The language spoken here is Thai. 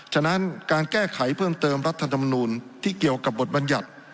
ฉะนั้นการแก้ไขเพิ่มเติมรัฐธรรมนูลที่เกี่ยวกับบทบัญญัติ